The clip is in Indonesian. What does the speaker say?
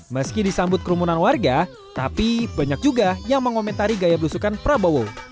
meski disambut kerumunan warga tapi banyak juga yang mengomentari gaya belusukan prabowo